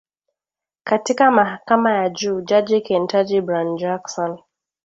katika mahakama ya juu jaji Ketanji Brown Jackson